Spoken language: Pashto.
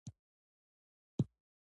هرات د افغانستان یو لوی طبعي ثروت دی.